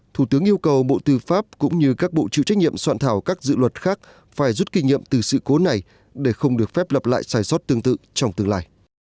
thủ tướng yêu cầu bộ tư pháp cũng như các bộ chịu trách nhiệm soạn thảo các dự luật khác phải rút kinh nghiệm từ sự cố này để không được phép lập lại sai sót tương tự trong tương lai